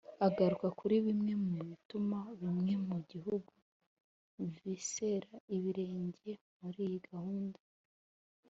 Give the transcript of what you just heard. agaruka kuri bimwe mu bituma bimwe mu bihugu visera ibirenge muri iyi gahunda